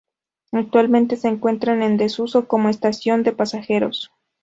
Actualmente se encuentra en desuso como estación de pasajeros.